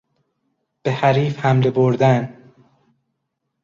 به حریف حمله بردن